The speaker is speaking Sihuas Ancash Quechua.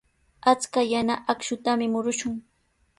Achka yana akshutami murushun.